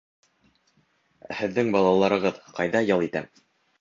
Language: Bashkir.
Ә һеҙҙең балаларығыҙ ҡайҙа ял итә?